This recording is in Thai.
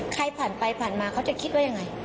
ใครผ่านไปผ่านมาเขาจะคิดว่ายังไง